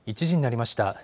１時になりました。